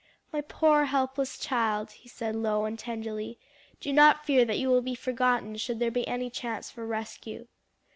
"My poor helpless child," he said low and tenderly, "do not fear that you will be forgotten should there be any chance for rescue."